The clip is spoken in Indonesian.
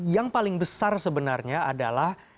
yang paling besar sebenarnya adalah